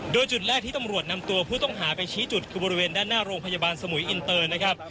โดยจุดแรกที่ตำรวจนำตัวผู้ต้องหาไปชี้จุดคือบริเวณด้านหน้าโรงพยาบาลสมุยอินเตอร์นะครับ